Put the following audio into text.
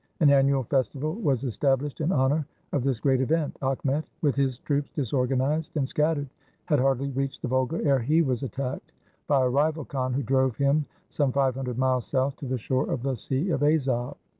An annual festival was estab lished in honor of this great event. Akhmet, with his troops disorganized and scattered, had hardly reached the Volga, ere he was attacked by a rival khan, who drove him some five hundred miles south to the shore of the Sea of Azov.